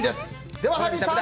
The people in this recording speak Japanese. ではハリーさん